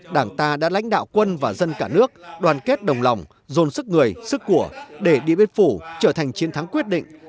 đảng ta đã lãnh đạo quân và dân cả nước đoàn kết đồng lòng dồn sức người sức của để điện biên phủ trở thành chiến thắng quyết định